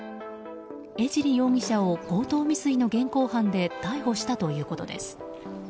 江尻容疑者を強盗未遂の現行犯で逮捕したということです。